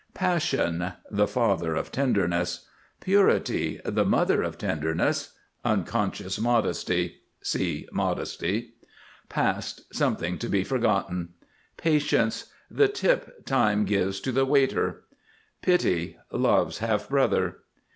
PASSION. The father of Tenderness. PURITY. The mother of Tenderness. Unconscious modesty. (See Modesty.) PAST. Something to be forgotten. PATIENCE. The tip Time gives to the waiter. PITY. Love's half brother.